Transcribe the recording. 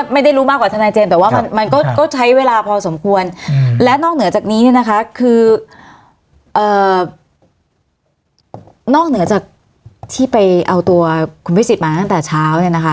ค่ะคืออ่านอกเหนือจากที่ไปเอาตัวคุณเฮฟสิตมาตั้งแต่เช้าเนี่ยนะคะ